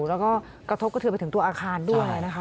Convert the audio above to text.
แล้วก็กระทบเถิดไปถึงที่ตัวอาคารด้วยเลยนะคะ